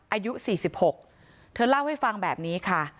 อายุสี่สิบหกเธอเล่าให้ฟังแบบนี้ค่ะ